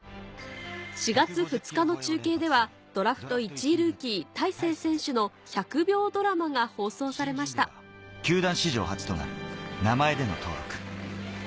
４月２日の中継ではドラフト１位ルーキー大勢選手の「１００秒ドラマ」が放送されました球団史上初となる名前での登録。